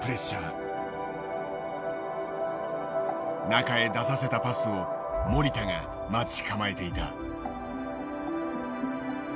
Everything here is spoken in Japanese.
中へ出させたパスを守田が待ち構えていた。